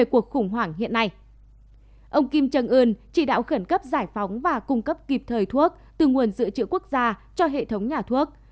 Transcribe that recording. trong cuộc khủng hoảng hiện nay ông kim trần ưn chỉ đạo khẩn cấp giải phóng và cung cấp kịp thời thuốc từ nguồn dự trữ quốc gia cho hệ thống nhà thuốc